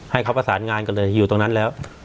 ให้เขาประสานงานกันเลยอยู่ตรงนั้นแล้ว